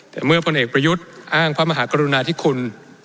แต่เมื่อพลเอกประยุทธ์อ้างพระมหากรุณาธิคุณ